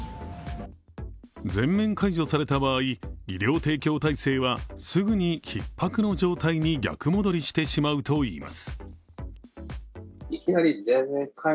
全面解除された場合医療提供体制はすぐにひっ迫の状態に逆戻りしてしまうといいます。